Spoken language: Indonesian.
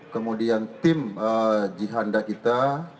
kemudian tim jihanda kita